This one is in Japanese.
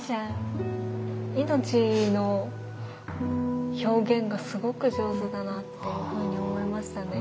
命の表現がすごく上手だなっていうふうに思いましたね。